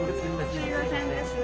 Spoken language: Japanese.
すいませんです。